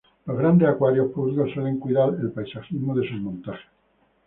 Los grandes acuarios públicos suelen cuidar el paisajismo de sus montajes.